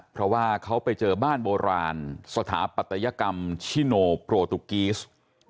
เพราะว่าเขาไปเจอบ้านโบราณสถาปัตยกรรมชิโนโปรตุกีส